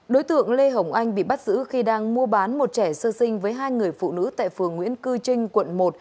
đối tượng lê hồng anh bị bắt giữ khi đang mua bán một trẻ sơ sinh với hai người phụ nữ tại phường nguyễn cư trinh quận một